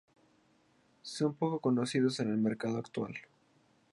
Son poco conocidos en el mercado actual.